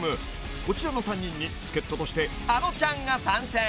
［こちらの３人に助っ人としてあのちゃんが参戦］